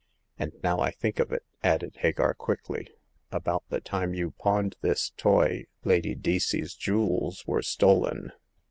And now I think of it," added Hagar, quickly, " about the time you pawned this toy Lady Deacey's jewels were stolen.